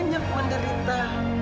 ibu nggak egas menerima